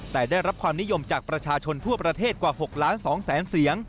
แต่ได้รับความนิยมจากประชาชนทั่วประเทศกว่า๖ล้าน๒แสนเสียง